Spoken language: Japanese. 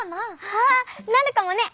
ああなるかもね。